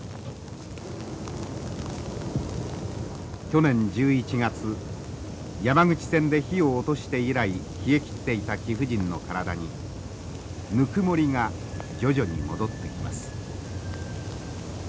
去年１１月山口線で火を落として以来冷えきっていた貴婦人の体にぬくもりが徐々に戻ってきます。